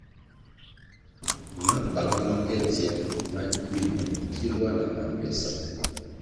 Mabang ma ke dzier ma gywu binuen kiloah na mam ywe sa.